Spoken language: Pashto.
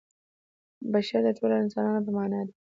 بشر د ټولو انسانانو په معنا دی.